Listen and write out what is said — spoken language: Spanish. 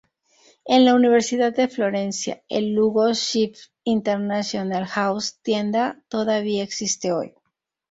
En la Universidad de Florencia, el Hugo Schiff International House tienda todavía existe hoy.